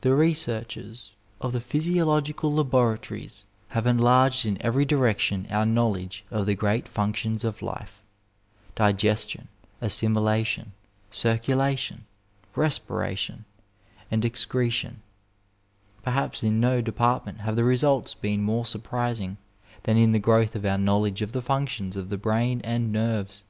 The researches of the physiological laboratories have enlarged in every direction our knowledge of the great Digitized by VjOOQ IC MEDICINE IN THE NINETEENTH CENTUKY fonctioDB of life — digestion, assimilation, circulation, respiration, and excretion. Perhaps in no department liave the results been more surprising than in the growth of our knowledge of the functions of the brain and nerves.